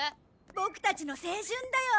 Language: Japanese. ボクたちの青春だよ。